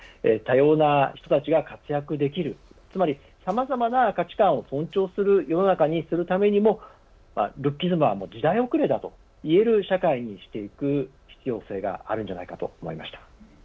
多様な人たちが活躍できるつまり、さまざまな価値観を尊重する世の中にするためにもルッキズムは時代遅れだと言える社会にしていく必要性があるんじゃないかと思いました。